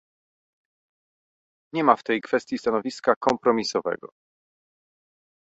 Nie ma w tej kwestii stanowiska kompromisowego